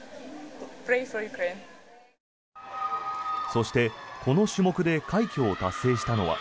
そして、この種目で快挙を達成したのは。